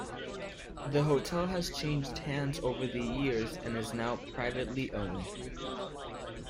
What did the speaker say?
The hotel has changed hands over the years and is now privately owned.